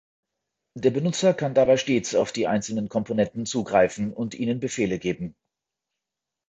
Der Benutzer kann dabei stets auf die einzelnen Komponenten zugreifen und ihnen Befehle geben.